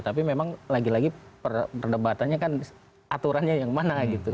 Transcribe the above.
tapi memang lagi lagi perdebatannya kan aturannya yang mana gitu